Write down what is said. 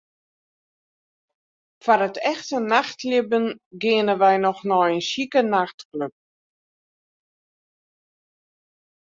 Foar it echte nachtlibben geane wy noch nei in sjike nachtklup.